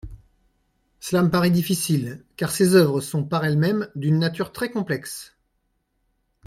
Cela me paraît difficile, car ces oeuvres sont par elles-mêmes d'une nature très complexe.